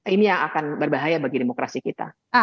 ini yang akan berbahaya bagi demokrasi kita